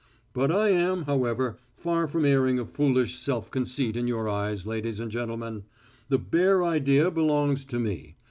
But I am, however, far from airing a foolish self conceit in your eyes, ladies and gentlemen. The bare idea belongs to me.